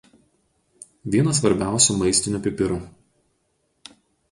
Vienas svarbiausių maistinių pipirų.